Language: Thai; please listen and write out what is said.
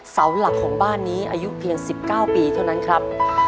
เสาหลักของบ้านนี้อายุเพียง๑๙ปีเท่านั้นครับ